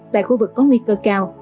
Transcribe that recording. hai tại khu vực có nguy cơ cao